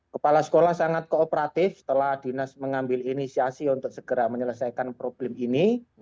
kepala sekolah sangat kooperatif setelah dinas mengambil inisiasi untuk segera menyelesaikan problem ini